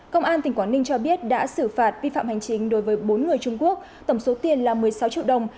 công an tỉnh quảng ninh cho biết đã xử phạt vi phạm hành chính đối với bốn người trung quốc tổng số tiền là một mươi sáu triệu đồng